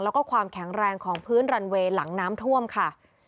แล้วก็ความแข็งแรงของพื้นรันเวย์หลังน้ำท่วมค่ะ